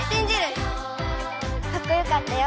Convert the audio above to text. かっこよかったよ。